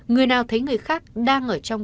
người nào thấy người khác đang ở trong tình trạng